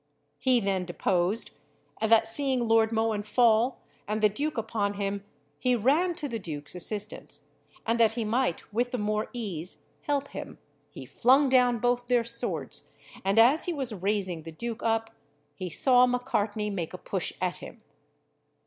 He then deposed, that seeing Lord Mohun fall, and the duke upon him, he ran to the duke's assistance; and that he might with the more ease help him, he flung down both their swords, and as he was raising the duke up, he saw Macartney make a push at him.